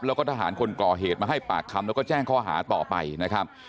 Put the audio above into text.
แล้วก็ทหารคนก่อเหตุมาให้ปากคำแล้วก็แจ้งข้อหาต่อไปนะครับ